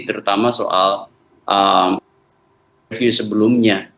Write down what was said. terutama soal review sebelumnya